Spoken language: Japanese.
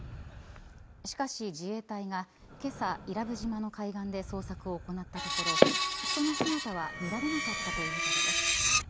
しかし自衛隊がけさ、伊良部島の海岸で捜索を行ったところ人の姿は見られなかったということです。